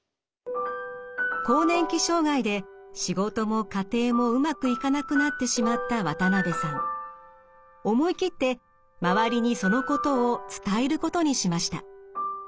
更年期障害で仕事も家庭もうまくいかなくなってしまった思い切って周りにそのことを伝えることにしました。